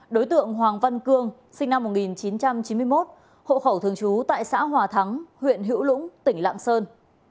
đối tượng hoàng văn cương sinh năm một nghìn chín trăm chín mươi một hộ khẩu thường trú tại xã hòa thắng huyện hữu lũng tỉnh lạng sơn